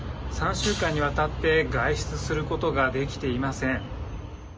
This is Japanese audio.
３週間にわたって外出することができていません。